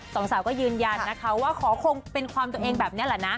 สองสาวก็ยืนยันนะคะว่าขอคงเป็นความตัวเองแบบนี้แหละนะ